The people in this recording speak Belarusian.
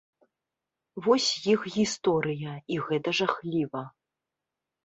Вось іх гісторыя, і гэта жахліва.